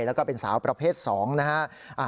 แล้วก็เป็นสาวประเภท๒นะฮะ